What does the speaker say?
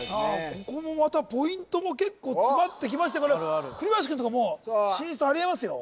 ここもまたポイントも結構詰まってきました栗林君とかもう進出ありえますよ